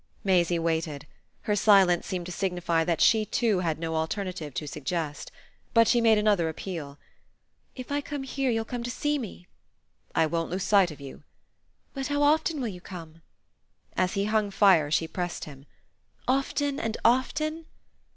Maisie waited; her silence seemed to signify that she too had no alternative to suggest. But she made another appeal. "If I come here you'll come to see me?" "I won't lose sight of you." "But how often will you come?" As he hung fire she pressed him. "Often and often?"